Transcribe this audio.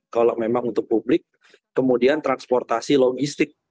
kalau memang untuk publik kemudian transportasi logistik